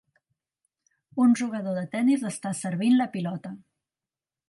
Un jugador de tenis està servint la pilota.